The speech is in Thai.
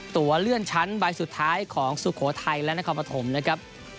ตัวเลื่อนชั้นใบสุดท้ายของสุโขทัยและนครปฐมนะครับ